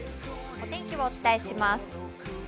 お天気をお伝えします。